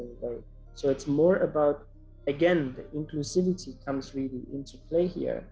jadi ini lebih tentang sekali lagi inklusifitas yang terjadi di sini